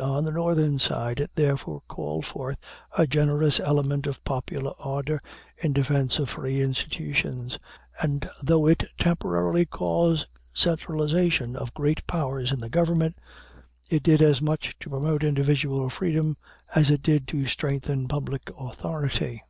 On the Northern side it therefore called forth a generous element of popular ardor in defense of free institutions; and though it temporarily caused centralization of great powers in the government, it did as much to promote individual freedom as it did to strengthen public authority.